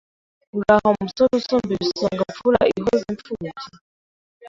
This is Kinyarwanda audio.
Uraho musore usumba ibisonga mfura ihoza imfubyi